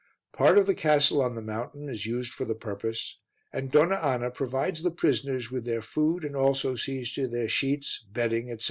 Part of the castle on the mountain is used for the purpose and Donna Anna provides the prisoners with their food and also sees to their sheets, bedding etc.